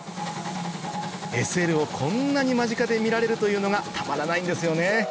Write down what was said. ＳＬをこんなに間近で見られるというのがたまらないんですよね